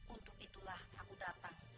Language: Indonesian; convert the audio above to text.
untuk itulah aku datang